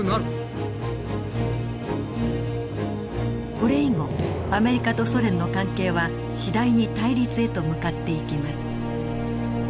これ以後アメリカとソ連の関係は次第に対立へと向かっていきます。